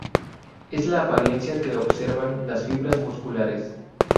Es la apariencia que observan las fibras musculares.